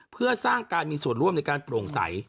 เพื่อสร้างการมีส่วนร่วมในการโปร่งใส